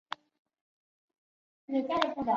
授福清县知县。